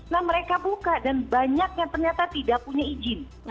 nah mereka buka dan banyak yang ternyata tidak punya izin